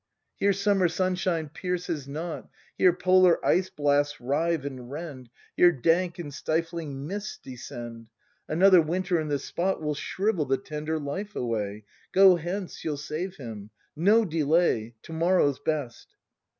— Here summer sunshine pierces not. Here polar ice blasts rive and rend, — Here dank and stifling mists descend. Another winter in this spot Will shrivel the tender life away. Go hence, you'll save him! No delay! To morrow's best.